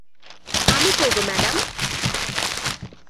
আমি করব, ম্যাডাম।